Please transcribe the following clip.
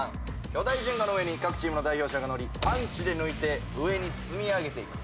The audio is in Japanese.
巨大ジェンガの上に各チームの代表者が乗りパンチで抜いて上に積み上げていく。